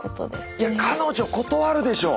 いや彼女断るでしょう。